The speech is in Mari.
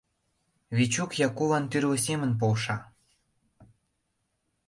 Вечук Якулан тӱрлӧ семын полша.